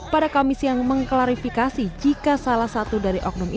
pada kamis yang mengklarifikasi jika salah satu dari oknum